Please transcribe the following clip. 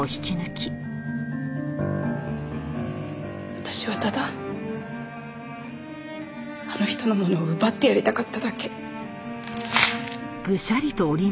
私はただあの人のものを奪ってやりたかっただけ。